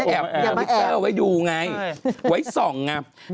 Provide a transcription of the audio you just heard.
แอบวิตเตอร์ไว้ดูไงไว้ส่อง